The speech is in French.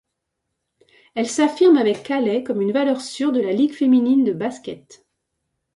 Elle s'affirme avec Calais comme une valeur sûre de la Ligue féminine de basket.